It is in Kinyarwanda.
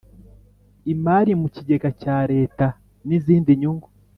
imari mu kigega cya Leta n izindi nyungu